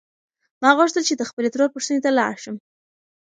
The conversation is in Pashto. ما غوښتل چې د خپلې ترور پوښتنې ته لاړ شم.